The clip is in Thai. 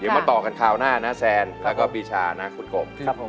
เดี๋ยวมาต่อกันคราวหน้านะแซนแล้วก็ปีชานะคุณกบ